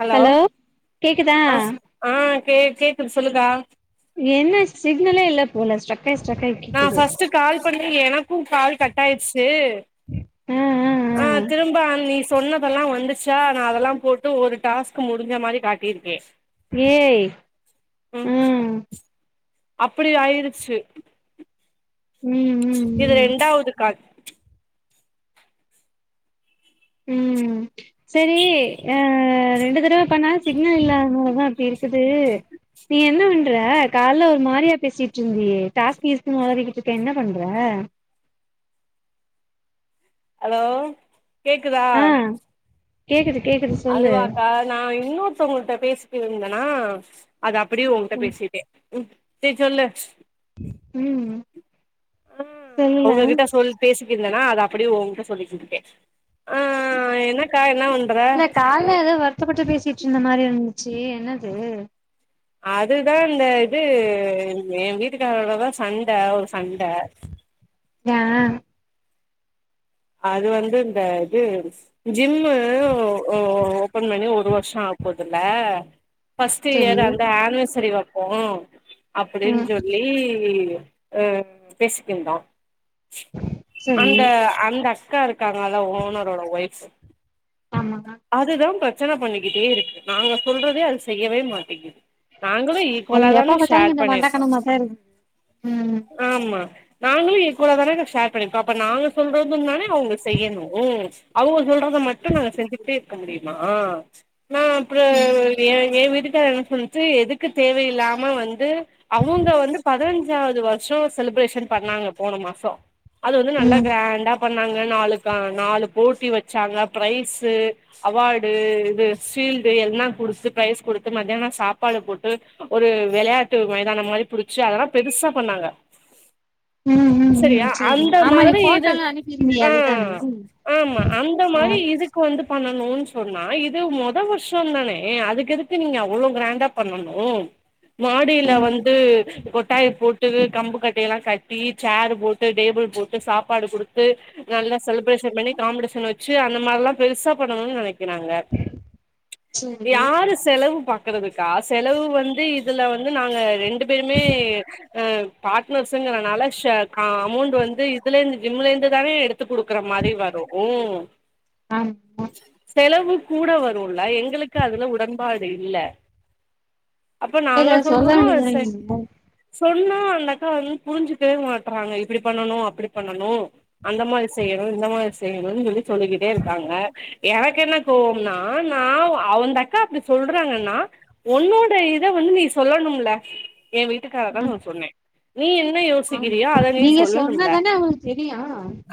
hello கேக்குதா ஆ ஆ கே கேக்குது சொல்லுக்கா என்ன சிக்னலே இல்ல போல ஸ்ட்ரக்காய் ஸ்ட்ரக்காய் நா கேக்குது ஃபஸ்ட்டு கால் பண்ணி எனக்கு கால் கட்டாயிடுச்சு ஆ ஆ அ ஆ திரும்ப நீ சொன்னதெல்லா வந்துச்சா நா அதெல்லா போட்டு ஒரு டாஸ்க் முடிஞ்ச மாறி காட்டிருக்கே ஏய் ம் அப்படி ஆயிருச்சு ம்ம் இது ரெண்டாவது கால் உம் செரி ஆ ரெண்டு தடவ பண்ணா சிக்னல் இல்லாதனாலதா அப்டி இருக்குது நீ என்ன பண்ற கால்ல ஒரு மாறியா பேசிட்ருந்தயே டாஸ்க் கீஸ்க்னு ஒளறிக்கிட்ருக்க என்ன பண்ற அலோ கேக்குதா ஆ கேக்குது கேக்குது சொல்லு அதுவாக்கா நா இன்னொருத்தவங்கள்ட்ட பேசிகிருந்தனா அத அப்டியே ஒங்ட்ட ம் பேசிட்டே சேர் சொல்லு ம் ஆ சொல்லுல அவுங்ககிட்ட சொல் பேசிகிருந்தன்னா அத அப்டியே ஒங்கிட்ட சொல்லிகிறுக்கே ஆ என்னாக்கா என்ன பண்ற என்ன ஏதோ வருத்தப்பட்டு பேசிட்ருந்த மாறி இருந்துச்சு என்னது அதுதா இந்த இது எ வீட்டுக்காரடோதா சண்ட ஒரு சண்ட யா அது வந்து இந்த இது ஜிம்மு ஓ ஓபன் பண்ணி ஒரு வருஷம் ஆப்போதல்ல ஃபர்ஸ்ட் செரி இயர் அந்த ஆன்வர்சரி வப்போ அப்டின் ம் சொல்லி அ பேசிக்கந்தோ செரி அந்த அந்த அக்கா இருக்காங்களா ஓனரோட ஒய்ஃப் ஆமா அதுதா பிரச்சன பண்ணிக்கிட்டே இருக்கு நாங்க சொல்றதே அது செய்யவே மாட்டேங்கிது நாங்களு அது ஈக்வலா எப்ப தான பாத்தாலு ஷேர் கொஞ்ச பண்ணிருக் மண்டக்கணமாதா இருக்கு ம் ஆமா நாங்களு ஈக்வலா தான ஷேர் பண்ணிருக்கோ அப்ப நாங்க சொல்றது தானே அவங்க செய்யணும் அவங்க சொல்றத மட்டு நாங்க செஞ்சுட்டே இருக்க முடியுமா நா ஓ ம் இது ஏ ஏ வீட்டுக்கார என்ன சொன்ச்சு எதுக்கு தேவையில்லாம வந்து அவுங்க வந்து பதனஞ்சாவது வருஷோ செலிப்ரேஷன் பண்ணாங்க போன மாசோ அது வந்து நல்லா ம் கிராண்டா பண்ணாங்க நாலுக்கா நாலு போட்டிய வெச்சாங்க பிரைஸு அவார்டு இது ஃபீல்டு எல்னாங் குடுத்து பிரைஸ் குடுத்து மத்யானோ சாப்பாடு போட் டு ஒரு வெளையாட்டு மைதானம் மாரிப் புடிச்சு அதெலாப் பெருசாப் பண்ணாங்க ம் ம் ம் செரியா செரி அந்த ஆமா நீ மாதிரி இது போட்டோல்லா அனுப்பிருந்தியே ஆ அதுதானே ஆமா அந்த ஆ மாரி இதுக் கு வந்துப் பண்ணணுன் சொன்னா இது மொதோ வருஷோந்தானே அதுக்கு எதுக்கு நீங்க அவ்ளோ கிராண்டாப் பண்ணணு மாடில ம் வந்து கொட்டாயிப் போட்டு கம்பு கட்டையெல்லா கட்டி சேருப் போட்டு டேபிள் போட்டு சாப்பாடு குடுத்து நல்லா செலிப்ரேஷன் பண்ணி காம்படிஷன் வெச்சு அந்த மார்லாப் பெருசா பண்ணணுன் நெனைக்கிறாங்க செரி யாருச் செலவு பாக்குறதுக்கா செலவு வந்து இதுல வந்து நாங்க ரெண்டுப் பேருமே அ பார்ட்னர்ஸுங்கிறனால [unintelligible] ஆ அமௌண்ட்டு வந்து இதுலேந்து ஜிம்முலேந்துதானே எடுத் த்து குடுக்கற மாரி வரு ஆமா செலவு கூட வருல்ல எங்களுக்கு அதுல உடன்பாடு இல்ல அப்ப செரி நாங்க அத சொல்ல சொல்றோமா வேண்டியதுதான அசே நீங்க சொன்னா அந்த அக்கா வந் புரிஞ்சுக்கவே மாட்றாங்க இப்டி பண்ணணு அப்டி பண்ணணு அந்த மாரி செய்யணு இந்த மாரி செய்யணுன் சொல்லி சொல்லிகிட்டேருக் க்காங்க எனக்கென்ன கோவோம்னா நாவ் அவுந்தக்கா அப்டி சொல்றாங்கன்னா ஒன்னோட இத வந்து நீ சொல்லணுமுல்ல எ வீட்டுக்காரதா ம் நா சொன்னே நீ என்ன ஆமா யோசிக்கிறியோ அத நீ நீங்க சொல்லணும்ல சொன்னாதான அவங்களுக்கு தெரியு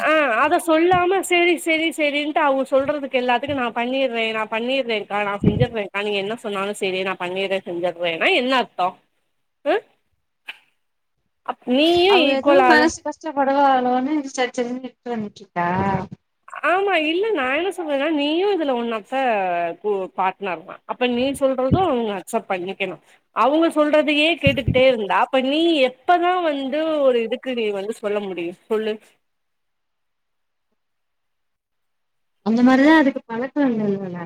ஆ அத சொல்லாம செரி செரி செரின் ட்டு அவுங்க சொல்றதுக்கு எல்லாத்துக்கு நாப் பண்ணிர்றே நாப் பண்ணிர்றேங்க்கா நா செஞ்சிர்றேங்க்கா நீங்க என்ன சொன்னாலு செரி நாப் பண்ணிர்றே செஞ்சர்றேனா என்ன அர்த்தோ அ அப் நீயு ஈக்வலாதா ஷ்டப்படுவாளோன்னு சரிச்சரின்னு [unintelligible] ஆமா இல்ல நா என்ன சொல்றனா நீயு இதுல ஒன் ஆஃப் த பூ பார்ட்னர்தா அப்ப நீ சொல்றது அவுங்க அக்செப்ட் பண்ணிக்கணு அவுங்க சொல்றதையே கேட்டுக்ட்டே இருந்தாப் இப்ப நீ எப்பதா வந்து ஒரு இதுக்கு நீ வந்து சொல்ல முடியு சொல்லு அந்த மாரிதா அதுக்குப் பழக்கோ இல்ல இல்ல இல்ல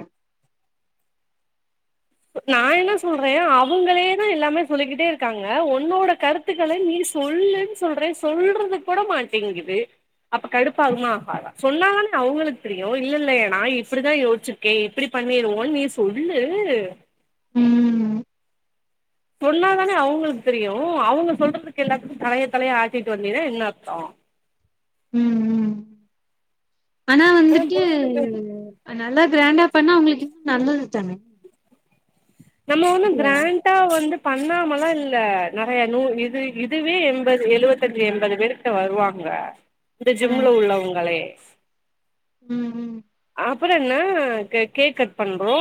நா என்ன சொல்றே அவுங்களேதா எல்லாமே சொல்லிகிட்டே இருக்காங்க ஒன்னோட கருத் துக்கள நீ சொல்லுன் சொல்றே சொல்றது கூட மாட்டேங்கிது அப்ப கடுப்பாகுமா ஆகாதா சொன்னாங்கனே அவுங்களுக் தெரியு இல்ல இல்ல ஏ நா இப்புடிதா யோச்சுட் கே எப்புடி பண்ணிருவோன் நீ சொல்லு ம் சொன்னாதானே அவுங்குளுக்கு தெரியு அவுங்க சொல்றதுக்கு எல்லாத்துக்கு தலைய தலைய ஆட்டிட்டு வந்தீனா என்ன அர்த்தோ ம் ம் [unintelligible] அன்னாலா கிராண்டாப் பண்ணா அவுங்ளுக்கு இன்னு நல்லதுதானே நம்ம ஒன்னு கிராண்ட் டா வந்துப் பண்ணாமலா இல்ல நெறைய நூ இது இதுவே என்பது எழுவத்தஞ்சு என்பது பேருக் ட்ட வருவாங்க இந்த ம் ஜிம்முல உள்ளவுங்களே ம் ம் அப்றோ என்ன கேக் கட் பண்றோ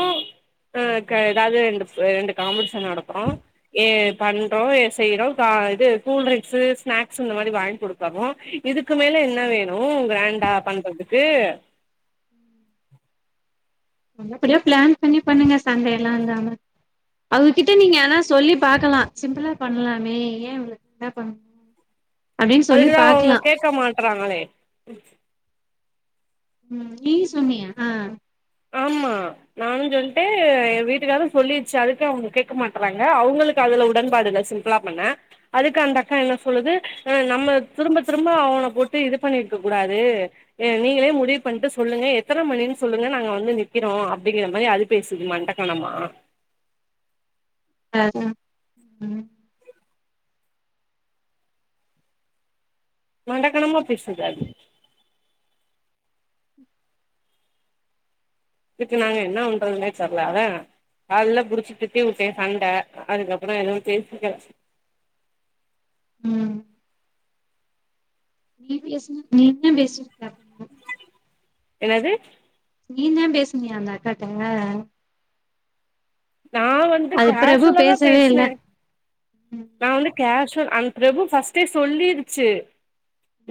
ஏதாவது ரெ ரெண்டு ரெண்டு காம்படிஷ நடத்துறோ ஏ பண்றோ செய்யறோ இது கூல்டிரிங்கஸ் இந்த மாரி கொடுக்கறோ இதுக்கு மேல என்ன வேனு ம் கிராண்டா பண்றதுக்கு நல்லபடியா பிளான் பண்ணி பண்ணுங்க சண்டைய எல்லா இல்லாம அவங்ககிட்ட நீங்க ஆனா சொல்லி பாக்கலா சிம்பிளா பண்ணலாமே ஏன் அப்டின்னு சொல்லி பாக்கலா கத்துறாங்களே ம் நீ சொன்னீயா ஆமா நானு சொல்லிட்டே என் வீட்டுக்கார சொல்லிருச்சு அதுக்கு அவங்க கேட்க மாட்டறாங்க அவங்களுக்கு அதுல உடன்பாடுல்ல சிம்பிளாபண்ண அதுக்கு அந்த அக்கா என்ன சொல்லுது ஆ நம்ம திரும்ப திரும்ப அவனை போட்டு இது பண்ணிட்டு இருக்க கூடாது நீங்களே முடிவு பண்ணிட்டு சொல்லுங்க எத்தனை மணின்னு சொல்லுங்க நாங்க வ வந்து நிக்கிறோ அப்டிங்கற மாரி அது பேசுது மண்டக்கனமா அதா ம் மண்டகணமா பேசுதா அது இதுக்கு நாங்க என்ன பண்றதுனே தெரியல அத காலேல புடிச்சு திட்டி விட்டே சண்ட அதுக்கப்புற எதுவு பேசிகலா ம் [unintelligible] நீங்களூ பேசு கூடாது என்னது நீ தா பேசினியா அந்தாக்கிட்ட நா வந்து அது பிரபு கேஷுவலா தா பேசவே இல்ல பேசினே ம் நா வந்து கேஷுவ அந்த பிரபு பர்ஸ்ட்டே சொல்லிருச்சு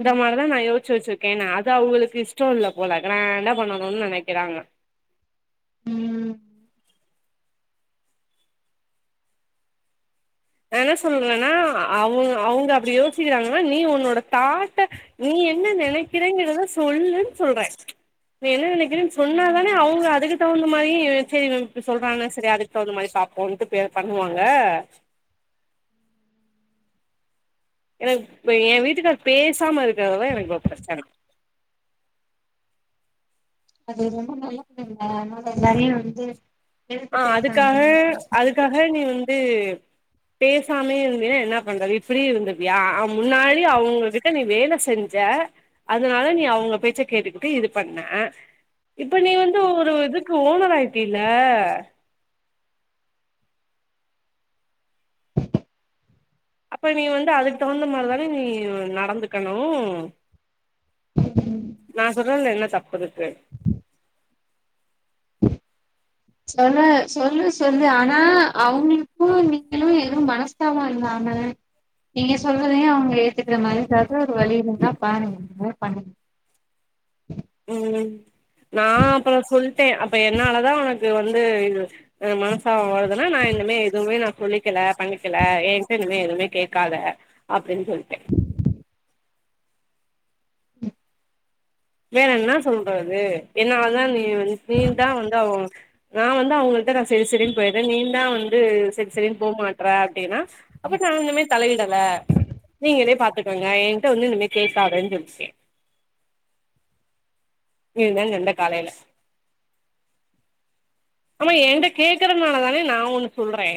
இந்த மாரிதா நா [unintelligible] அது அவங்களுக்கு இஷ்ட இல்ல போல கிராண்டா பண்ணு நினைக்கிறாங்க ம் நா என்ன சொல்லுறன்னா அவங்க அவங்க அப்டி யோசிக்கிறாங்கன்னா நீ உன்னோட தாட்ட நீ என்ன நி என்ன நினைக்கிறேன்ங்கிசொல்லுன்னு சொல்றே நீ சொன்னாதானே ம் அவங்க அதுக்கு தகுந்த அந்த மாரி சேரி இவங்க இப்படி சொல்றங்க அது தகுந்த பாப்போ அதுக்கிட்ட அந்த மாதிரி பாப்போம்ன்ட்டு பண்ணுவாங்க எனக்கு என் வீட்டுக்கார் பேசாம இருக்கிறது தா எனக்கு ரொம்ப பிரச்சனை அது ரொம்ப நல்ல புள்ளேங்க அதனால [unintelligible] எதிர்த்து ஆ பேசுறாங்க அதுக்காக அதுக்காக நீ வந்து பேசாமே இருந்தேன்னா என்ன பண்றது இப்படி இருந்தப்பியா முன்னாடி அவங்க நீ வேல செஞ்ச அதனால நீ அவங்க பேச்ச கேட்டுக்கிட்டு இது பண்ண இப்ப நீ வந்து ஒரு இதுக்கு ஓனர் ஆயிட்டல்ல அப்ப நீ வந்து அதுக்கு தகுந்த மாரிதானே நீ நடந்துக்கணு ம் நா சொல்றதுல என்னா தப்பு இருக்கு சொல்லு சொல்லு சொல்லு ஆனா அவங்களுக்கு நீங்களு எதுவு மனஸ்தாப இல்லாம நீங்க சொல்றதையு அவங்க ஏத்துக்க மாரி ஏதாவது ஒரு வழியிருந்தா பாருங்க ம் நா அப்பற சொல்லிட்டே என்னாலதா உனக்கு வந்து இது மனசா வாழதுனா நா இனிமே எதுவுமே நா சொல்லிக்கல பண்ணிக்கல ஏ இஷ்டோ இனிமே எதுவுமே கேக்காத அப்டின்னு சொல்லிட்டே வேற என்ன சொல்றது என்னாலதா நீ வங் நீ தா வந்து அவ நா வந்து அவங்கள்ட்ட நா செரி செரின்னு போயிட்றே நீ தா வந்து செரி செரின்னு போக மாட்ற அப்டின்னா அப்ப நா இனிமே தலையிடல நீங்களே பாத்துக்கோங்க ஏங்கிட்ட வந்து இனிமே கேக்காதனு சொல்ட்டே இது தா சண்ட காலையில ஆமா ஏங்கிட்ட கேக்குறனால தானே நா ஒன்னு சொல்றே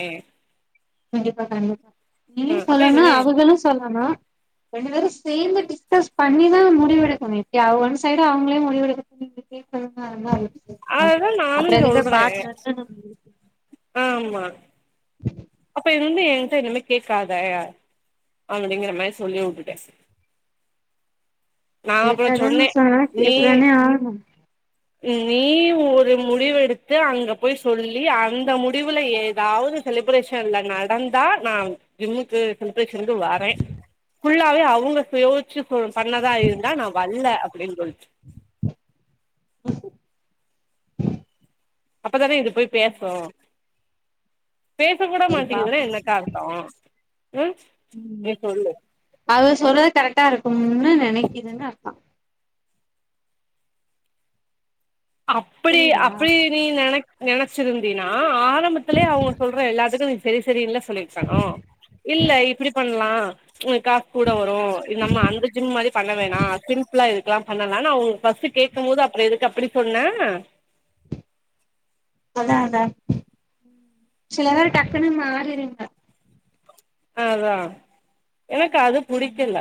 கண்டிப்பா கண்டிப்பா நீயு ம் அப்ப சொல்லனு இனிமே அவுகளு சொல்லனு ரெண்டு பேரு சேந்து டிஸ்கஸ் பண்ணிதா முடிவெடுக்கணு இப்டி ஒன் சைடு அவங்களே முடிவு எடுக் அததா [inaudible] நானு அப்றோ எதுக்கு சொல்றே பார்ட்னர்னு நம்மோ ஆமா உ அப்ப இது வந்து ஏங்கிட்ட இனிமே கேக்காத அப்டிங்கிற மாரி சொல்லிவுட்டுட்டே நா அப்புறோ கேட்டாதான சொன்னே சொன்னா நீ கேட்டுதானே ஆகணு நீ ஒரு முடிவு எடுத்து அங்க போயி சொல்லி அந்த முடிவுல ஏதாவது செலிப்ரேஷன்ல நடந்தா நா ஜிம்முக்கு செலிப்ரேஷனுக்கு வரே ஃபுல்லாவே அவுங்க சுயோ ச்சு பண்ணதா இருந்தா நா வல்ல அப்டின்னு சொல்ட்டு [unintelligible] அப்பதானே இது போயி பேசு பேச கூட சரி பாப்போ மாட்டேங்குதுனா என்னக்கா அர்த்தோ ம் நீ சொல்லு அது சொல்றது கரெக்டா இருக்கும்னு நெனைக்குதுன்னு அக்கா அப்புடி புரியுதா அப்புடி அப்டி நீ நென நெனச்சிருந்தீனா ஆரம்பத்திலே அவங்க சொல்ற எல்லாத்துக்கு நீ செரி செரினு இல்ல சொல்லிருக்கனு இல்ல இப்டி பண்லா காசு கூட வரு நம்ம அந்த ஜிம் மாரி பண்ண வேணா சிம்பிளா இரு க்கலா பண்ணலா நா அவுங்க ஃபர்ஸ்டு கேக்கும்போது அப்றோ எதுக்கு அப்டி சொன்ன அதா அதா சில வேரு டக்குன்னு மாறிருங்க அதா எனக்கு அது புடிக்கல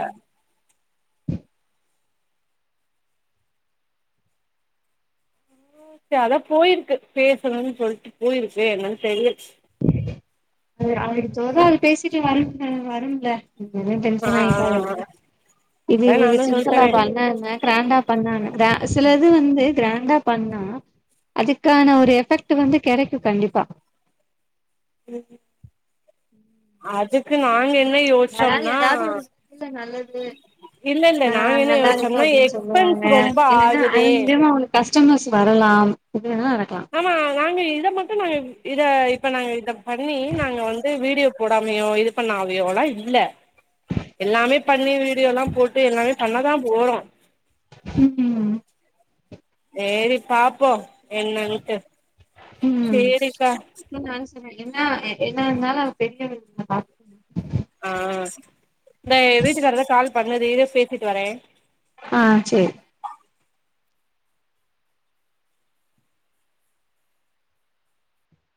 அதா போயிருக்கு பேசணும்னு சொல்ட்டு போயிருக்கு என்னனு தெரிய அவளுக்கு தோதா அவ பேசிட்டு வரும் வரும்ல [unintelligible] ஆ டென்ஷனு ஆயிட் [unintelligible] இது அதா இ நானு சிப்பிளா சொல்ட்டனே பண்ணா என்ன க்ராண்டா பண்ணா என்ன க்ரா சிலது வந்து க்ராண்டா பண்ணா அதுக்கான ஒரு எஃபெக்டு வந்து கெடைக்கு கண்டிப்பா ம் அதுக்கு நாங்க என்ன அதாவது யோசிச்சோம்னா ஏதாவது ஒரு நல்லது இல்ல இல்ல ஆ நாங்க என்ன நல்லா இருக்கு யோசிச்சோம்னா அப்டின் எக்ஸ்பென்ஸ் சொல்லுவாங்க ரொம்ப என்னனா ஆகுதே அது மூலியமா அவங்களு கஸ்டமர்ஸ் வரலாம் எப்டி வேணா நடக்கலா ஆமா நாங்க இத மட்டு நாங்க இத இப்போ நாங்க இத பண்ணி நாங்க வந்து வீடியோ போடாமையோ இது பண்ணாமையோல்லா இல்ல எல்லாமே பண்ணி வீடியோ எல்லா போட்டு எல்லாமே பண்ணதா போறோ ம் ம் சேரி பாப்போ என்னன்ட்டு ம் சேரிக்கா அதா நானு சொன்னே என்ன என்ன இருந்தாலு அவ பெரிய ஆ இந்த வீட்டுக்காரர் தா கால் பண்ணது இரு பேசிட்டு வரே ஆ சேரி